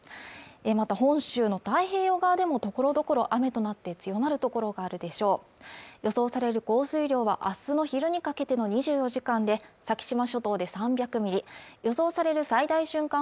また本州の太平洋側でもところどころ雨となって強まる所があるでしょう予想される降水量はあすの昼にかけての２４時間で先島諸島で３００ミリ予想される最大瞬間